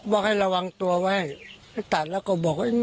ว่าให้ระวังตัวไว้ให้ตัดแล้วก็บอกว่า